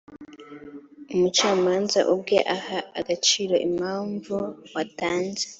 umucamanza ubwe aha agaciro impamvu watanze